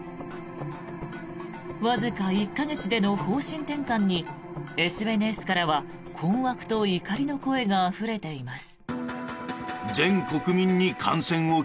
わずか１か月での方針転換にＳＮＳからは困惑と怒りの声があふれています。